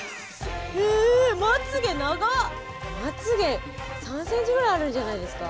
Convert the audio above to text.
まつげ３ｃｍぐらいあるんじゃないですか？